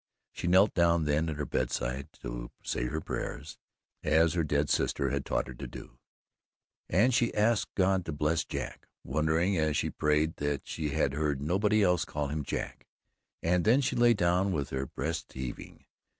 She knelt down then at her bedside to say her prayers as her dead sister had taught her to do and she asked God to bless Jack wondering as she prayed that she had heard nobody else call him Jack and then she lay down with her breast heaving.